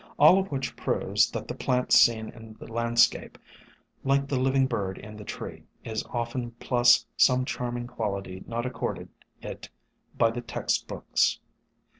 All of which proves that the plant seen in the landscape, like the liv ing bird in the tree, is often plus some charming quality not accorded it by the text books.